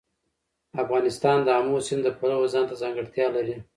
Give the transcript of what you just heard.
افغانستان د آمو سیند د پلوه ځانته ځانګړتیا لري.